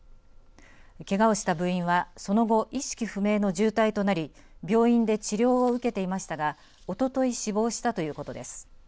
けがをした部員はその後意識不明の重体となり病院で治療を受けていましたがおととい死亡したということです。